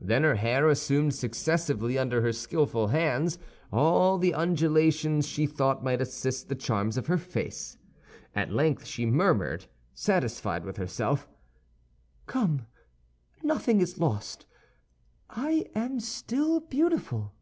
Then her hair assumed successively, under her skillful hands, all the undulations she thought might assist the charms of her face. At length she murmured, satisfied with herself, "Come, nothing is lost; I am still beautiful."